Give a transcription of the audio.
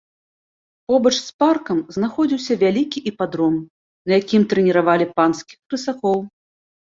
Побач з паркам знаходзіўся вялікі іпадром, на якім трэніравалі панскіх рысакоў.